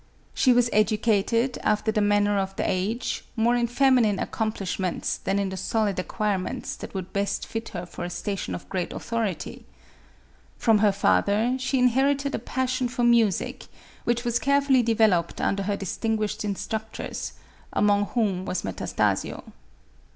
She was educated, after the manner of the age, more MAJUB THXRUA. 187 in feminine accomplishments than in the solid acquire ments that would best fit her for a station of great au thority. From her father, she inherited a passion for music, which was carefully developed under her dis tinguished instructors, among whom was Metastasio.